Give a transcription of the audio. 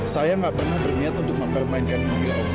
saya nggak pernah bermiat untuk mempermainkan ini om